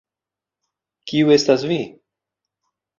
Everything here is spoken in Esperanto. Kiu estas vi?